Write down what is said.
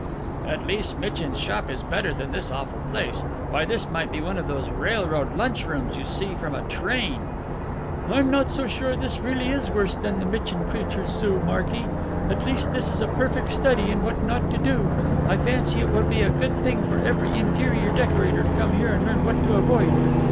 "At least Mitchin's shop is better than this awful place. Why, this might be one of those railroad lunch rooms you see from a train." "I'm not so sure this really is worse than the Mitchin creature's zoo, Marky. At least this is a perfect study in what not to do. I fancy it would be a good thing for every interior decorator to come here and learn what to avoid.